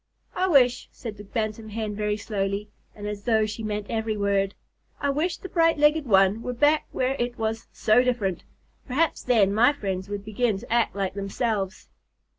"I wish," said the Bantam Hen very slowly, and as though she meant every word "I wish the bright legged one were back where it was 'so different.' Perhaps then my friends would begin to act like themselves."